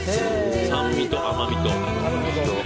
酸味と甘味と。